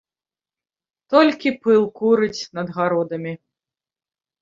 Толькі пыл курыць над гародамі.